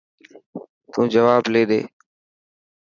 تون جواب لي ڏي.